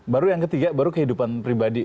baru yang ketiga baru kehidupan pribadi